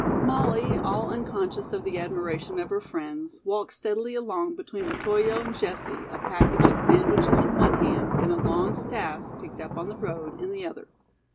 Molly, all unconscious of the admiration of her friends, walked steadily along between Otoyo and Jessie, a package of sandwiches in one hand and a long staff, picked up on the road, in the other.